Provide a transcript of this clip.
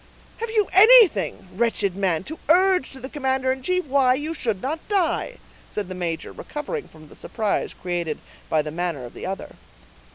'" "Have you anything, wretched man, to urge to the commander in chief why you should not die?" said the major, recovering from the surprise created by the manner of the other.